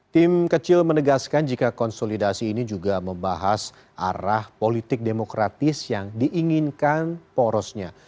tim kecil menegaskan jika konsolidasi ini juga membahas arah politik demokratis yang diinginkan porosnya